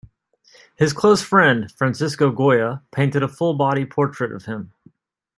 His close friend, Francisco Goya, painted a full body portrait of him.